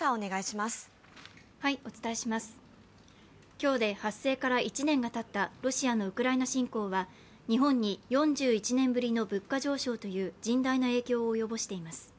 今日で発生から１年がたったロシアのウクライナ侵攻は日本に４１年ぶりの物価上昇という甚大な影響を及ぼしています。